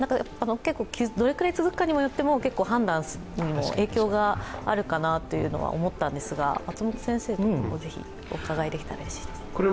結構どれぐらい続くかによっても判断にも影響があるかなというのは思ったんですが松本先生にお伺いできたらうれしいですね。